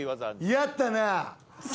やったな。